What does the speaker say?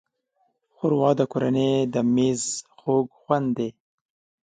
ښوروا د کورنۍ د مېز خوږ خوند دی.